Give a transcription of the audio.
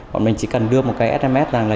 bọn mình chỉ cần đưa một cái sms rằng là